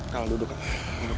kalau duduk duduk